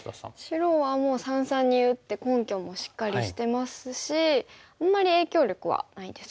白はもう三々に打って根拠もしっかりしてますしあんまり影響力はないですかね。